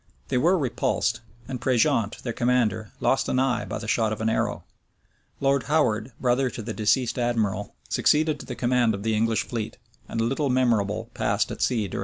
They were repulsed, and Prejeant, their commander, lost an eye by the shot of an arrow. Lord Howard, brother to the deceased admiral, succeeded to the command of the English fleet; and little memorable passed at sea during this summer.